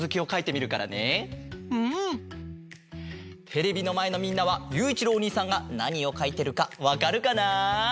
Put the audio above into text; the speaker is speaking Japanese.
テレビのまえのみんなはゆういちろうおにいさんがなにをかいてるかわかるかな？